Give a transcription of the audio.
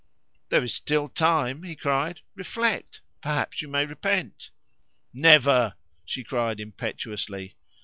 "There is still time!" he cried. "Reflect! perhaps you may repent!" "Never!" she cried impetuously.